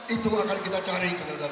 itu yang akan kita cari kawan kawan